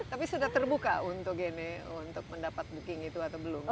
tapi sudah terbuka untuk mendapat booking itu atau belum